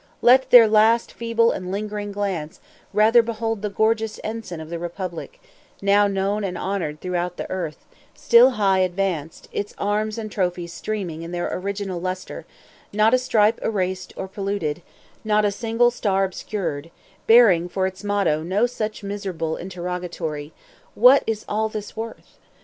"Let their last feeble and lingering glance rather behold the gorgeous ensign of the republic, now known and honored throughout the earth, still high advanced, its arms and trophies streaming in their original lustre, not a stripe erased or polluted, not a single star obscured, bearing for its motto no such miserable interrogatory, 'What is all this worth?'